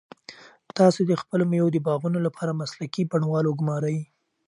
تاسو د خپلو مېوو د باغونو لپاره مسلکي بڼوال وګمارئ.